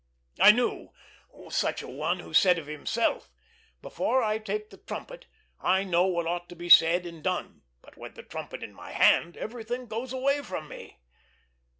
I knew such a one who said of himself, "Before I take the trumpet I know what ought to be said and done, but with the trumpet in my hand everything goes away from me."